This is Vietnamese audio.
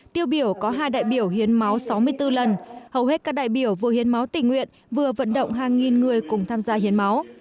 tiêu biểu có hai đại biểu hiến máu sáu mươi bốn lần hầu hết các đại biểu vừa hiến máu tình nguyện vừa vận động hàng nghìn người cùng tham gia hiến máu